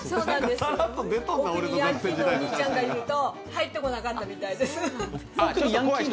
ヤンキーのお兄ちゃんがいると入ってこなかったみたいです。